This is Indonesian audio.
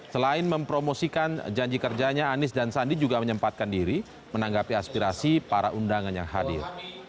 selain mempromosikan janji kerjanya anies dan sandi juga menyempatkan diri menanggapi aspirasi para undangan yang hadir